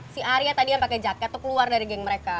si arya tadi yang pakai jaket itu keluar dari geng mereka